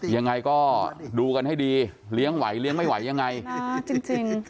ยังไงก็ดูกันให้ดีเลี้ยงไหวเลี้ยงไม่ไหวยังไงจริง